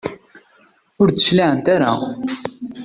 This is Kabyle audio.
ur d-cliɛent ara.